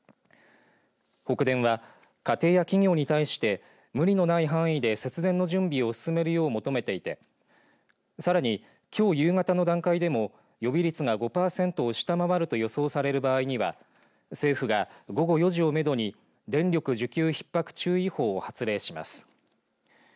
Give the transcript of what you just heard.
北電は、家庭や企業に対して無理のない範囲で節電の準備を進めるよう求めていてさらに、きょう夕方の段階でも予備率が５パーセントを下回る予想される場合には政府が、午後４時をめどに電力需給ひっ迫注意報を発令します。